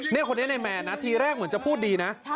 นี่คนนี้ในแมนนะทีแรกเหมือนจะพูดดีนะ